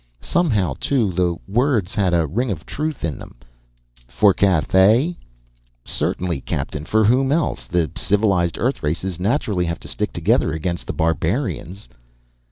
Somehow, too, the words had a ring of truth in them. "For Cathay?" "Certainly, captain. For whom else? The civilized Earth races naturally have to stick together against the barbarians."